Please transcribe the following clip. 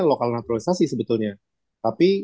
lokal naturalisasi sebetulnya tapi